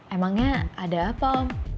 emangnya ada apa om